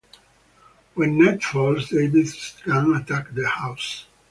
When night falls, David's gang attack the house.